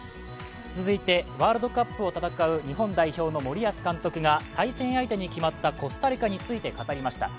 続いて、ワールドカップを戦う日本代表の森保監督が対戦相手に決まったコスタリカについて語りました。